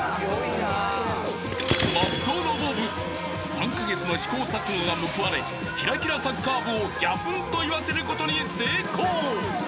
［３カ月の試行錯誤が報われきらきらサッカー部をギャフンと言わせることに成功］